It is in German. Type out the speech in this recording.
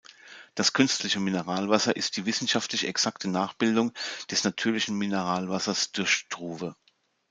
Das künstliche Mineralwasser ist die wissenschaftlich exakte Nachbildung des natürlichen Mineralwassers durch Struve.